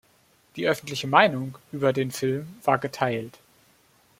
Die öffentliche Meinung über den Film war geteilt.